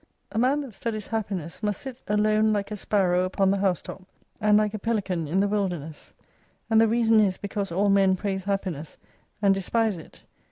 A man that studies happiness must sit alone like a sparrow upon the house top^ and like a pelican in the wilderness. And the reason is because all men praise happiness and despise it.